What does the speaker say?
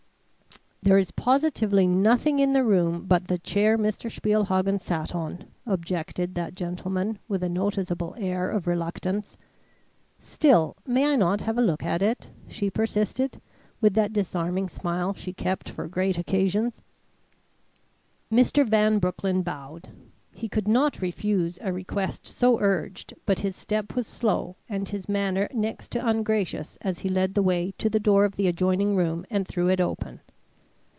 "There is positively nothing in the room but the chair Mr. Spielhagen sat on," objected that gentleman with a noticeable air of reluctance. "Still, may I not have a look at it?" she persisted, with that disarming smile she kept for great occasions. Mr. Van Broecklyn bowed. He could not refuse a request so urged, but his step was slow and his manner next to ungracious as he led the way to the door of the adjoining room and threw it open.